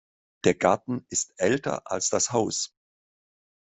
Der Garten ist älter als das Haus.